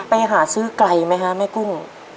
ไปหาซื้อไกลไหมฮะแม่กุ้ง